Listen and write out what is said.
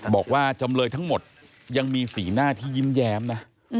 บอกว่าจำเลยทั้งหมดยังมีสีหน้าที่ยิ้มแย้มนะ